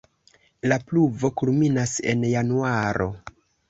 La pluvo kulminas en januaro.